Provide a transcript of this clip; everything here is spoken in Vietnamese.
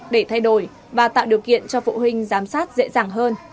để thay đổi và tạo điều kiện cho phụ huynh giám sát dễ dàng hơn